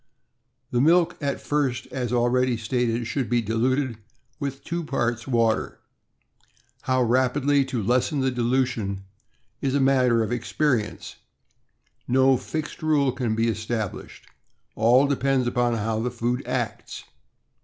The milk at first, as already stated, should be diluted with two parts water. How rapidly to lessen the dilution is a matter of experi ence— no fixed rule can be established; all depends upon how the food acts.